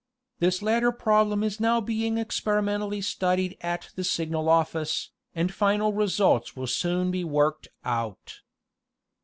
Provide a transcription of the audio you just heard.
This latter problem is now being experi mentally studied at the Signal Office, and final results will soon be worked out.